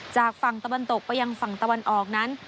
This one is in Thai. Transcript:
จากฝั่งตะวันตกไปยังฝั่งตะวันออกนั้น